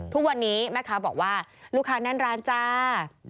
ทุกวันนี้แม่ค้าบอกว่าลูกค้าแน่นร้านจ้า